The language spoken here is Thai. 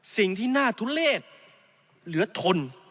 สิ่งที่น่าทุลฤทธิ์เหลือทน